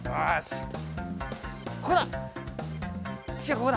ここだ！